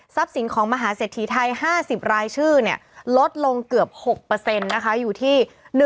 ซับสินของมหาเสถียร์ไทย๕๐รายชื่อลดลงเกือบ๖อยู่ที่